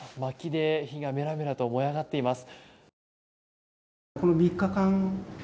今、まきで火がメラメラと燃え上がっています。